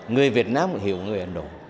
người việt nam hiểu người ấn độ